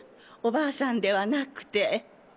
「お婆さん」ではなくて。